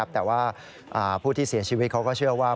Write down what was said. แต่ว่าผู้ที่เสียชีวิตเขาก็เชื่อว่า